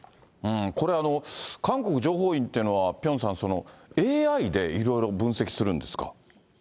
これ、韓国情報院というのは、ピョンさん、ＡＩでいろいろ分析するんですか。